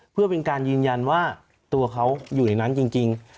เพื่อเป็นการยืนยันว่าตัวเขาอยู่ในนั้นจริง